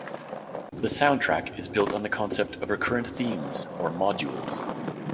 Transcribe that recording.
The soundtrack is built on the concept of recurrent themes or "modules".